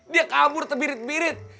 dia kabur terbirit birit